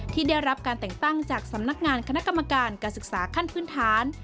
ที่ได้รับการแต่งตั้งจากสำนักงานคณะกรรมการการศึกษาขั้นพื้นฐาน